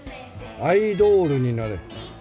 アイドールになれ。